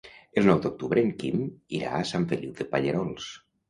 El nou d'octubre en Quim irà a Sant Feliu de Pallerols.